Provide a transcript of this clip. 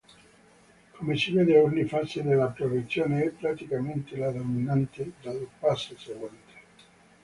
Come si vede ogni fase della progressione è praticamente la dominante del passo seguente.